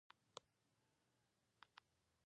دولت یا شرکت به زیان وویني.